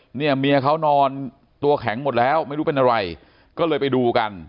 เนี่ยเมียเขานอนตัวแข็งหมดแล้วไม่รู้เป็นอะไรก็เลยไปดูกัน